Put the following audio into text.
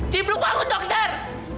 cipul panggut dokter